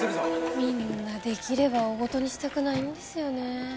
みんなできれば大ごとにしたくないんですよね